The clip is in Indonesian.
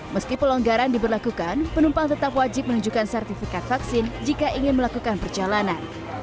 meski pelonggaran diberlakukan penumpang tetap wajib menunjukkan sertifikat vaksin jika ingin melakukan perjalanan